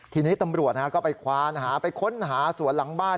ทีนี้ตำรวจก็ไปควานหาไปค้นหาสวนหลังบ้าน